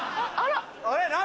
あれ何？